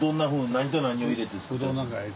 何と何を入れて。